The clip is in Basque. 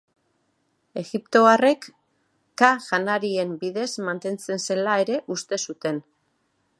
Egiptoarrek, ka janarien bidez mantentzen zela ere uste zuten.